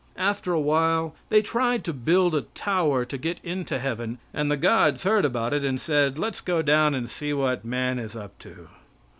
After a while they tried to build a tower to get into heaven, and the gods heard about it and said "Let's go down and see what man is up to."